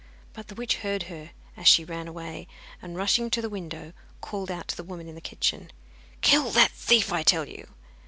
But the witch heard her as she ran away, and rushing to the window called out to the woman in the kitchen: 'Kill that thief, I tell you!